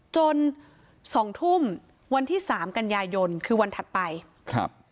จนสองทุ่มวันที่สามกันยายนคือวันถัดไปครับ